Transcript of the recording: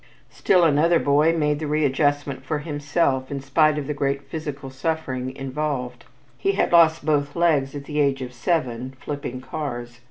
Still another boy made the readjustment for himself in spite of the great physical suffering involved. He had lost both legs at the age of seven, "flipping cars."